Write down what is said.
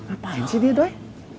apaan sih dia doi